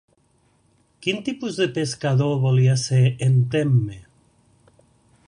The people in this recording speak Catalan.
Quin tipus de pescador volia ser en Temme?